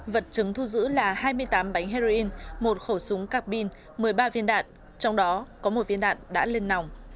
vật chứng thu giữ là hai mươi tám bánh heroin một khẩu súng capin một mươi ba viên đạn trong đó có một viên đạn đã lên nòng